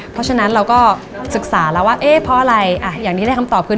เพราะฉะนั้นเราก็ศึกษาแล้วว่าเอ๊ะเพราะอะไรอ่ะอย่างที่ได้คำตอบคือ